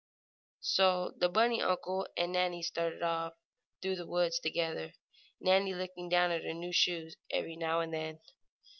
So the bunny uncle and Nannie started off through the woods together, Nannie looking down at her new shoes every now and then.